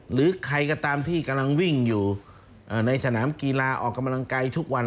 หรือใครก็ตามที่กำลังวิ่งอยู่ในสนามกีฬาออกกำลังกายทุกวัน